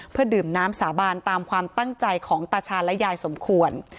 เพื่อดื่มน้ำสาบานตามความตั้งใจของตาชาญและยายสมควร